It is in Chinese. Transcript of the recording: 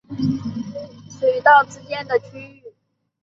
而虎门一词又常指太平与虎门水道之间的区域。